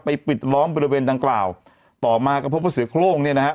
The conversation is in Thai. ปิดล้อมบริเวณดังกล่าวต่อมาก็พบว่าเสือโครงเนี่ยนะฮะ